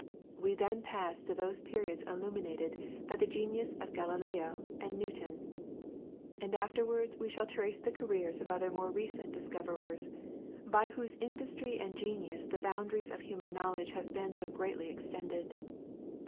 We then pass to those periods illumined by the genius of Galileo and Newton, and afterwards we shall trace the careers of other more recent discoverers, by whose industry and genius the boundaries of human knowledge have been so greatly extended.